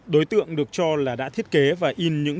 đối tượng được cho là đã thiết kế và in những